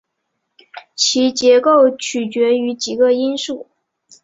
其结构取决于几个因素。